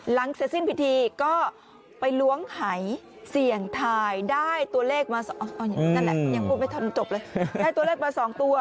หลังเสร็จสิ้นพิธีก็ไปล้วงไห่เสี่ยงไทยได้ตัวเลขมาสองตัว